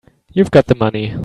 You've got the money.